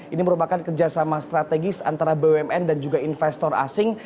ini merupakan kerjasama strategis antara bumn dan juga investor asing